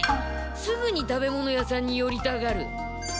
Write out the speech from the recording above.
すぐに食べ物屋さんに寄りたがる。